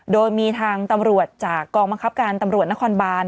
โดยมีทางตำรวจจากกองบังคับการตำรวจนครบาน